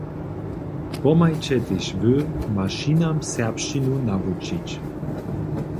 Pomhajće tež wy, mašinam serbšćinu nawučić.